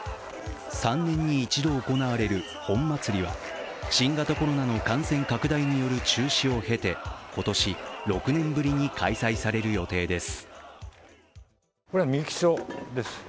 ３年に１度行われる本祭りは新型コロナの感染拡大による中止を経て今年、６年ぶりに開催される予定です。